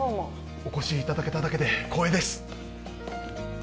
お越しいただけただけで光栄です